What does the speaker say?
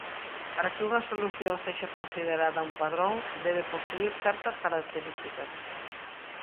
Para que unha solución sexa considerada un padrón debe posuír certas características.